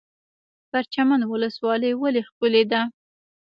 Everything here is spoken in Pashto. پرچمن ولسوالۍ ولې ښکلې ده؟